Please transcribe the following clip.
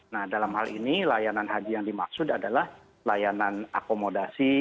nah dalam hal ini layanan haji yang dimaksud adalah layanan akomodasi